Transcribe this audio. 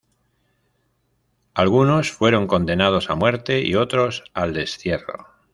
Algunos fueron condenados a muerte y otros al destierro.